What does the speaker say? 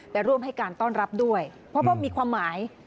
ร่วมให้การต้อนรับด้วยเพราะมีความหมาย